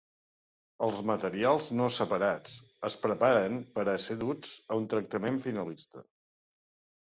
Els materials no separats es preparen per a ser duts a un tractament finalista.